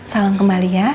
salam kembali ya